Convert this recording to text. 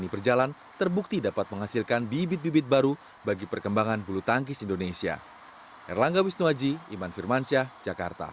berjalan terbukti dapat menghasilkan bibit bibit baru bagi perkembangan bulu tangkis indonesia